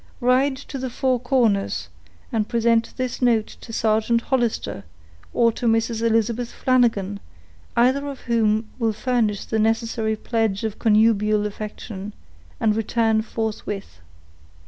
Ride to the Four Corners, and present this note to Sergeant Hollister, or to Mrs. Elizabeth Flanagan, either of whom will furnish the necessary pledge of connubial affection; and return forthwith."